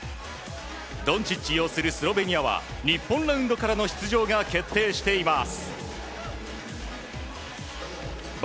ドンチッチ擁するスロベニアは日本ラウンドからの出場が決定しています。